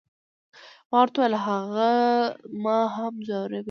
ما ورته وویل، هغه ما هم ځوروي.